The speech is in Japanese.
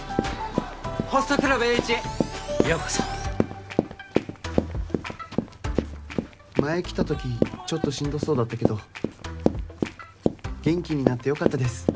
ホストクラブエーイチへようこそ前来たときちょっとしんどそうだったけど元気になってよかったです